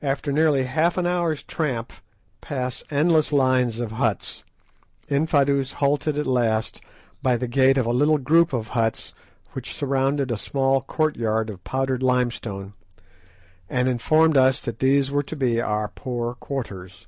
After nearly half an hour's tramp, past endless lines of huts, Infadoos halted at last by the gate of a little group of huts which surrounded a small courtyard of powdered limestone, and informed us that these were to be our "poor" quarters.